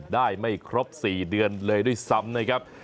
ได้ไม่ครบ๔เดือนเลยด้วยซ้ำนะครับ